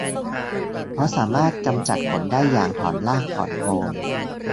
เพราะสามารถกำจัดขนได้อย่างถอนรากถอนโคน